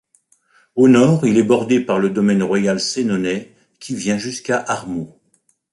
Au nord, il est bordé par le domaine royal sénonais qui vient jusqu'à Armeau.